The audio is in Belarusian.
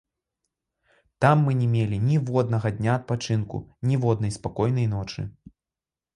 Там мы не мелі ніводнага дня адпачынку, ніводнай спакойнай ночы.